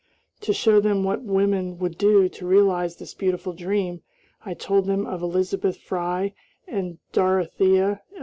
To show them what women would do to realize this beautiful dream, I told them of Elizabeth Fry and Dorothea L.